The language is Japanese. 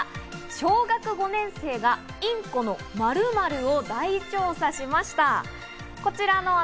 小学５年生がインコの○○を大調査しました。